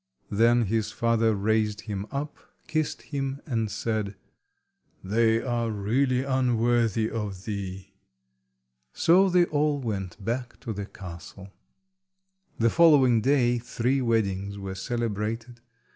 Then his father raised him up, kissed him, and said— "They are really unworthy of thee." So they all went back to the castle. The following day three weddings were celebrated.